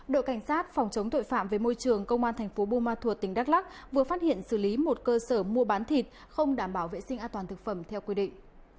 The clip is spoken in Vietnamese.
đội cảnh sát phòng chống tội phạm về môi trường công an tp bumathuot tỉnh đắk lắc vừa phát hiện xử lý một cơ sở mua bán thịt không đảm bảo vệ sinh an toàn thực phẩm theo quy định